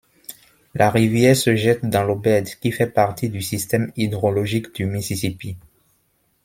La rivière se jette dans l'Obed, qui fait partie du système hydrologique du Mississippi.